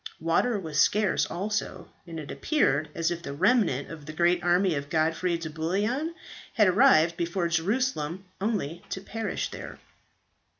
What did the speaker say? Water was scarce also; and it appeared as if the remnant of the great army of Godfrey de Bouillon had arrived before Jerusalem only to perish there.